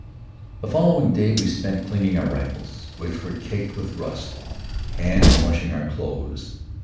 The following day we spent in cleaning our rifles, which were caked with rust, and in washing our clothes.